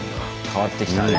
変わってきたね。